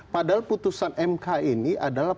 padahal putusan mk ini adalah